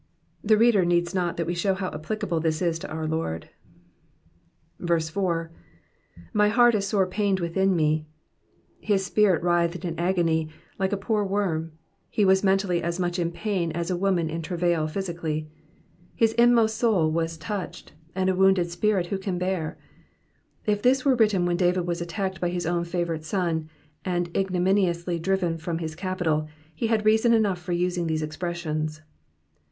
The reader needs not that we show how applicable this is to our Lord. 4. ''My heart is sore pained within me,'*'* His spirit writhed in agony, like a poor worm ; he was mentally as much in pain as a woman in travail physically. His inmost soul was touched ; and a wounded spirit who can bear ? If this were written when David was attacked by his own favourite son, and ignominiously driven from his capital, he had reason enough for using these expressions.